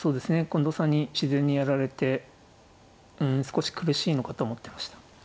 近藤さんに自然にやられて少し苦しいのかと思ってました。